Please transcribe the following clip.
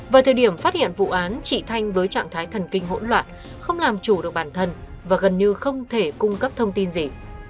vào thời điểm phát hiện vụ án chị thanh với trạng thái thần kinh hỗn loạn không làm chủ được bản thân và gần như không thể cung cấp thông tin gì